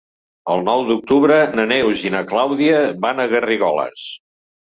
El nou d'octubre na Neus i na Clàudia van a Garrigoles.